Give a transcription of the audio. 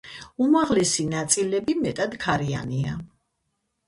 უმაღლესი ნაწილები მეტად ქარიანია.